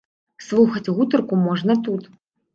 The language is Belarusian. Слухаць гутарку можна тут.